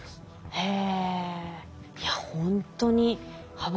へえ。